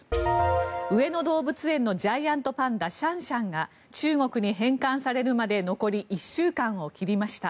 上野動物園のジャイアントパンダシャンシャンが中国に返還されるまで残り１週間を切りました。